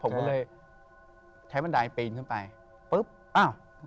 ผมก็เลยใช้บันไดเปลิ่น๓๐๐บาทไป